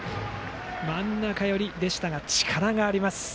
真ん中寄りでしたが力があります。